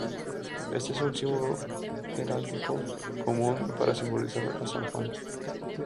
Este es un símbolo heráldico común para simbolizar a San Juan.